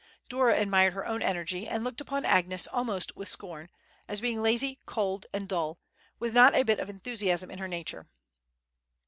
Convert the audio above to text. Dora admired her own energy, and looked upon Agnes almost with scorn, as being lazy, cold, and dull, with not a bit of enthusiasm in her nature.